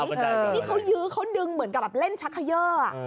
นี่เขายื้อเขาดึงเหมือนกับแบบเล่นชักเขย่อ